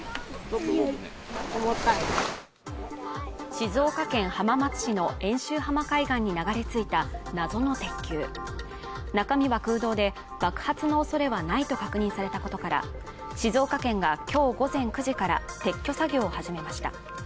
静岡県浜松市の遠州浜海岸に流れ着いた謎の鉄球中身は空洞で爆発の恐れはないと確認されたことから、静岡県が今日午前９時から撤去作業を始めました。